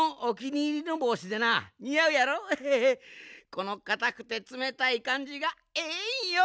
このかたくてつめたいかんじがええんよ。